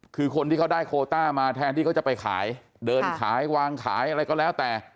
คือคนที่เขาได้โคต้ามาแทนที่เขาจะไปขายเดินขายวางขายอะไรก็แล้วแต่